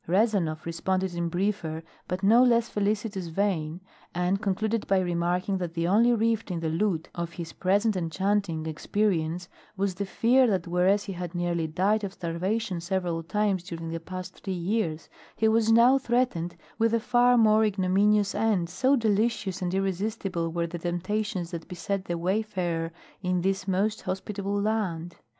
Rezanov responded in briefer but no less felicitous vein, and concluded by remarking that the only rift in the lute of his present enchanting experience was the fear that whereas he had nearly died of starvation several times during the past three years, he was now threatened with a far more ignominious end, so delicious and irresistible were the temptations that beset the wayfarer in this most hospitable land.